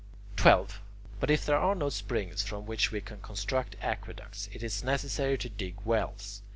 12. But if there are no springs from which we can construct aqueducts, it is necessary to dig wells.